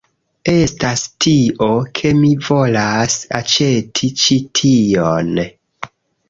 estas tio, ke mi volas aĉeti ĉi tion.